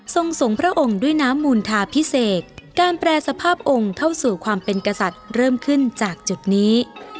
ส่งส่งพระองค์ด้วยน้ำมูลธาพิเศษการแปรสภาพองค์เข้าสู่ความเป็นกษัตริย์เริ่มขึ้นจากจุดนี้